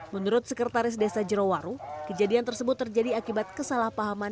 menurut sekretaris desa jerowaru kejadian tersebut terjadi akibat kesalahpahaman